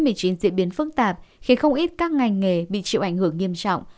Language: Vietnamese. covid một mươi chín diễn biến phức tạp khiến không ít các ngành nghề bị chịu ảnh hưởng nghiêm trọng